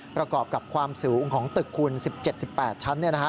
ประกอบกับความสูงของตึกคุณ๑๗๑๘ชั้น